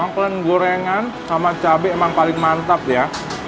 kelen gorengan sama cabai memang paling mantap ya